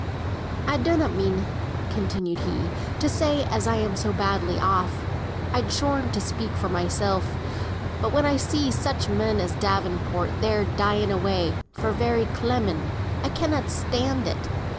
"I donnot mean," continued he, "to say as I'm so badly off. I'd scorn to speak for mysel; but when I see such men as Davenport there dying away, for very clemming, I cannot stand it.